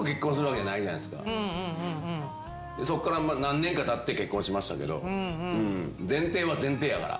そっから何年かたって結婚しましたけど前提は前提やから。